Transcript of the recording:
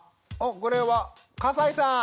これは笠井さん。